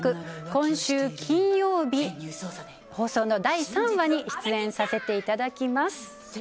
今週金曜日放送の第３話に出演させていただきます。